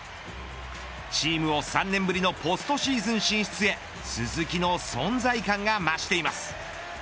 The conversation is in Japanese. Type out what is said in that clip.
チームを３年ぶりのポストシーズン進出へ鈴木の存在感が増しています。